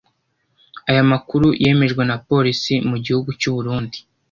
Aya makuru yemejwe na Polisi mu gihugu cy’u Burundi